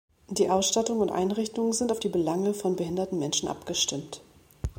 Die Ausstattung und Einrichtung sind auf die Belange von behinderten Menschen abgestimmt.